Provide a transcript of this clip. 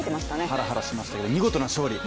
ハラハラしましたけども、見事な勝利。